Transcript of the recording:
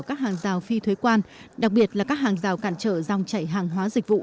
các hàng rào phi thuế quan đặc biệt là các hàng rào cản trở dòng chảy hàng hóa dịch vụ